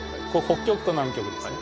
北極と南極ですね。